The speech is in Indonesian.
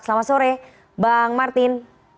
selamat sore bang martin